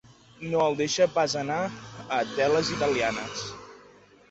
No el deixa pas anar a les teles italianes.